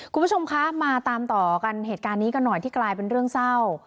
คุณผู้ชมคะมาตามต่อกันเหตุการณ์นี้กันหน่อยที่กลายเป็นเรื่องเศร้า